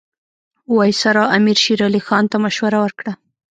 وایسرا امیر شېر علي خان ته مشوره ورکړه.